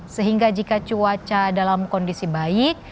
sehingga jika cuaca dalam kondisi baik